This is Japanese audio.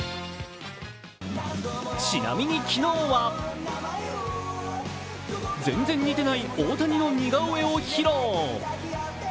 ちなみに昨日は全然似てない大谷の似顔絵を披露。